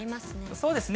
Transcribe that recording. そうですね。